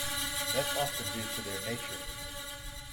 That's often due to their nature.